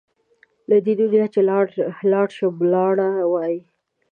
له دې دنیا چې لاړ شم واړه وايي.